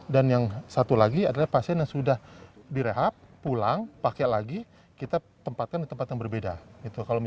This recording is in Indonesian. dan yang satu lagi adalah pasien yang sudah direhat pulang pakai lagi kita tempatkan di tempat yang berbeda